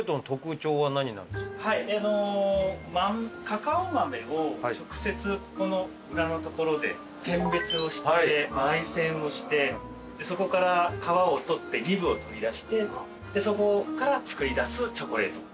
カカオ豆を直接ここの裏の所で選別をして焙煎をしてそこから皮を取ってニブを取り出してでそこから作りだすチョコレート。